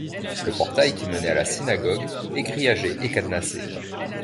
Le portail qui menait à la synagogue est grillagé et cadenassé.